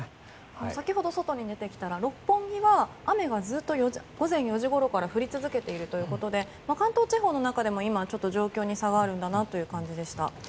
先ほど、外に出てきたら六本木は雨はずっと午前４時ごろから降り続けているということで関東地方の中でも今、状況に差があるんだなという感じでした。